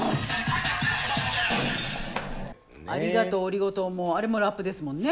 「ありがとうオリゴ糖」もあれもラップですもんね。